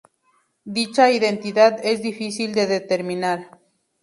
Dicha identidad es difícil de determinar.